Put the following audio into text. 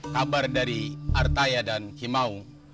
kabar dari artaya dan himau